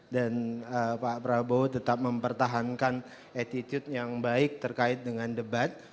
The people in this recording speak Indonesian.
dan pak prabowo tetap mempertahankan attitude yang baik terkait dengan debat